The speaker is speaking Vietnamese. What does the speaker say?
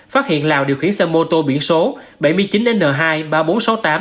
phát hiện lào điều khiển xe mô tô biển số bảy mươi chín n hai ba nghìn bốn trăm sáu mươi tám